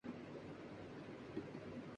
وہ بیمار تھا، اسی لئیے سارے خاموش تھے